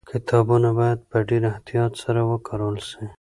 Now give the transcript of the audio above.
کتابونه باید په ډېر احتیاط سره وکارول سي.